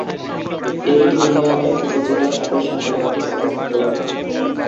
এই ইউনিয়নে উপজেলার সকল সরকারি অফিস অবস্থিত।